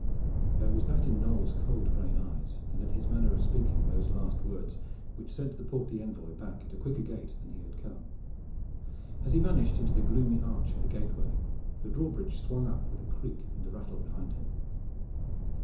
There was that in Knolles' cold gray eyes and in his manner of speaking those last words which sent the portly envoy back at a quicker gait than he had come. As he vanished into the gloomy arch of the gateway the drawbridge swung up with creak and rattle behind him.